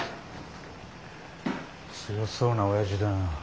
強そうなおやじだな。